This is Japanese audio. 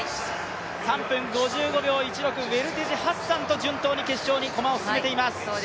３分５５秒１６、ウェルテジ、ハッサンと順当に駒を進めています。